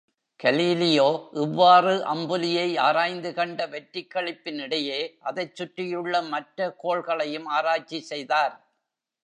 Galileo இவ்வாறு அம்புலியை ஆராய்ந்து கண்ட வெற்றிக் களிப்பின் இடையே, அதைச்சுற்றியுள்ள மற்ற கோள்களையும் ஆராய்ச்சி செய்தார்.